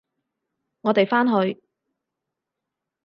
我哋返去！